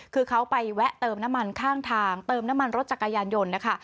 คือเขาไปแวะเติมน้ำมันข้างทางเติมน้ำมันรถจักรยานยนต์นะคะ